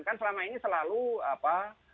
kan selama ini selalu apa